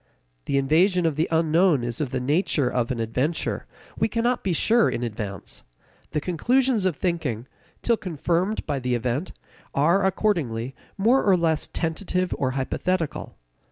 The invasion of the unknown is of the nature of an adventure; we cannot be sure in advance. The conclusions of thinking, till confirmed by the event, are, accordingly, more or less tentative or hypothetical.